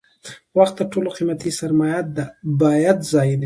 وخت تر ټولو قیمتي سرمایه ده باید ضایع نشي.